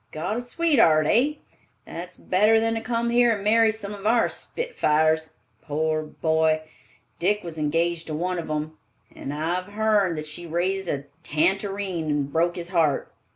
Got a sweetheart, hey? That's better than to come here and marry some of our spitfires. Poor boy! Dick was engaged to one of 'em, and I've hearn that she raised a tantareen and broke his heart.